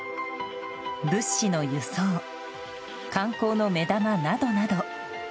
物資の輸送観光の目玉などなど。